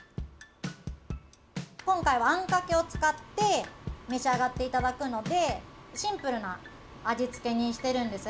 今回は、あんかけを使って召し上がっていただくのでシンプルな味付けにしてるんです。